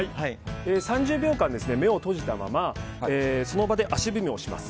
３０秒間、目を閉じたままその場で足踏みをします。